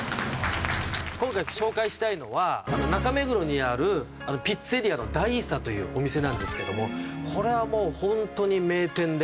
今回紹介したいのは中目黒にあるピッツェリアのｄａＩＳＡというお店なんですけどもこれはもうホントに名店で。